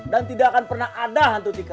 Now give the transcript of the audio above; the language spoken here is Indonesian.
dan tidak akan pernah ada hantu tika